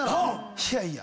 「いやいや。